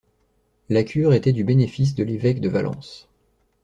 La cure était du bénéfice de l'évêque de Valence.